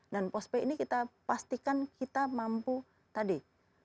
dan pos pay ini kita pastikan kita mampu tadi